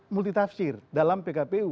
multitafsir dalam pkpu